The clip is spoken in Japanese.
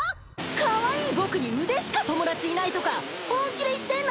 かわいい僕に腕しか友達いないとか本気で言ってんの？